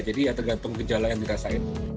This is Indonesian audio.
jadi ya tergantung gejala yang dirasain